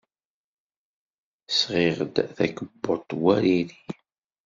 Sɣiɣ-d takebbuḍt war iri.